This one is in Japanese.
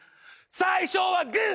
最初はグー。